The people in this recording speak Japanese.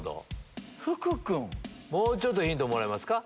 もうちょっとヒントもらえますか？